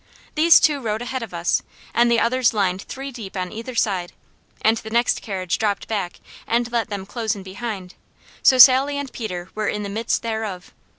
These two rode ahead of us, and the others lined three deep on either side, and the next carriage dropped back and let them close in behind, so Sally and Peter were "in the midst thereof."